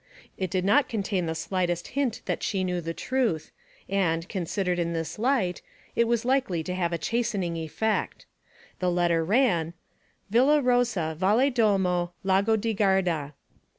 It did not contain the slightest hint that she knew the truth, and considered in this light it was likely to have a chastening effect. The letter ran 'VILLA ROSA, VALEDOLMO, 'LAGO DI GARDA.